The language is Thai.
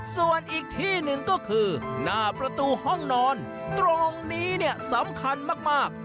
ส่วนอีกที่หนึ่งก็คือหน้าประตูห้องนอนตรงนี้เนี่ยสำคัญมาก